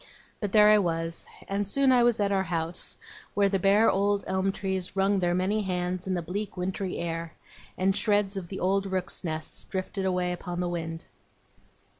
But there I was; and soon I was at our house, where the bare old elm trees wrung their many hands in the bleak wintry air, and shreds of the old rooks' nests drifted away upon the wind.